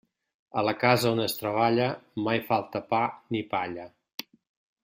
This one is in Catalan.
A la casa on es treballa, mai falta pa ni palla.